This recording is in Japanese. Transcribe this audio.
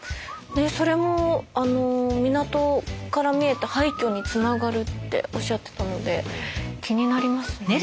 それも港から見えた廃虚につながるっておっしゃってたので気になりますね。